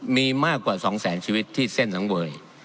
มีมากกว่า๒แสนชีวิตที่เส้นสังเวย